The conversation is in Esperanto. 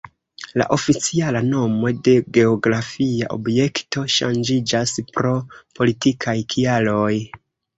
La oficiala nomo de geografia objekto ŝanĝiĝas pro politikaj kialoj.